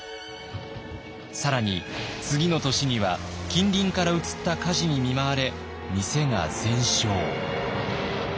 更に次の年には近隣から移った火事に見舞われ店が全焼。